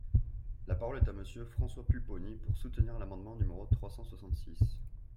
La parole est à Monsieur François Pupponi, pour soutenir l’amendement numéro trois cent soixante-six.